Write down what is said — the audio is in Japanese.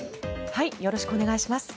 よろしくお願いします。